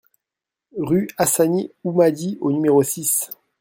Rue Assani Houmadi au numéro six